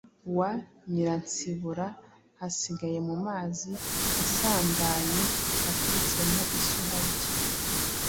wa Nyiransibura hasigara mu mazi yasandaye aturutse mu isuha rye,